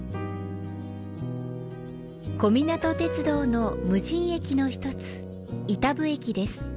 小湊鉄道の無人駅の１つ、飯給駅です。